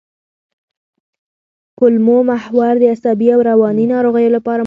کولمو محور د عصبي او رواني ناروغیو لپاره مهم دی.